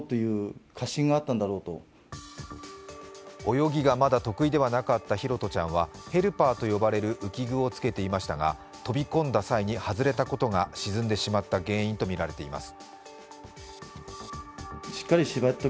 泳ぎがまだ得意ではなかった拓杜ちゃんはヘルパーと呼ばれる浮き具をつけていましたが飛び込んだ際に外れたことが沈んでしまった原因とみられています。